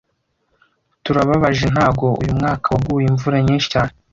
Turababajentago uyu mwaka waguye imvura nyinshi cyane